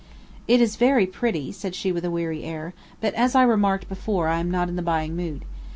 "It is very pretty," said she with a weary air; "but as I remarked before, I am not in the buying mood.